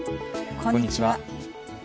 こんにちは。